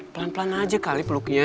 pelan pelan aja kali peluknya